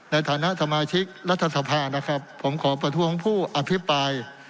ในฐานะสมาชิกรัฐสภานะครับผมขอประท้วงผู้อภิปราย